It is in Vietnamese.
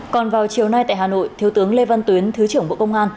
còn vào chiều nay tại hà nội thiếu tướng lê văn tuyến thứ trưởng bộ công an